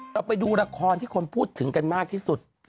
เราไปดูละครที่คนพูดถึงกันมากที่สุด